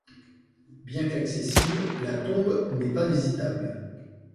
Bien qu'accessible, la tombe n'est pas visitable.